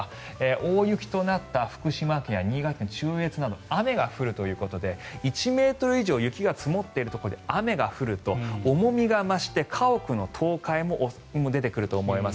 大雪となった福島県や新潟県の中越など雨が降るということで、１ｍ以上雪が積もっているところで雨が降ると重みが増して家屋の倒壊も出てくると思います。